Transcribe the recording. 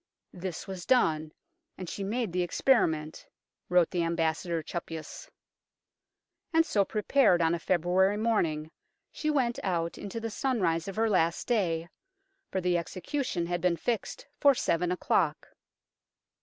This was done, and she made the experiment," wrote the Ambassador Chappuys. And so prepared, on a February morning, she went out into the sunrise of her last day, for the execution had been fixed for seven o'clock.